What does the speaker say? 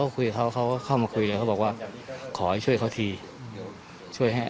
คุยกับเขาเขาก็เข้ามาคุยเลยเขาบอกว่าขอให้ช่วยเขาทีช่วยให้